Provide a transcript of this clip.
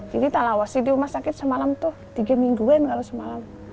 jadi tak lawas sih di rumah sakit semalam tuh tiga mingguan kalau semalam